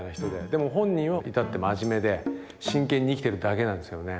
でも本人は至って真面目で真剣に生きてるだけなんですよね。